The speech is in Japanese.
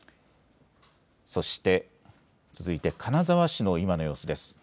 そして、続いて金沢市の今の様子です。